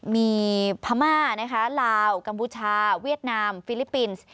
มีพม่านะคะลาวกัมพูชาเวียดนามฟิลิปปินส์